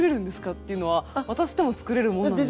っていうのは私でも作れる物なんですか？